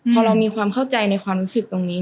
พอเรามีความเข้าใจในความรู้สึกตรงนี้